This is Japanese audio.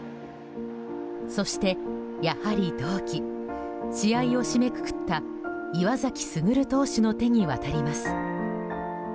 そして、やはり同期試合を締めくくった岩崎優投手の手に渡ります。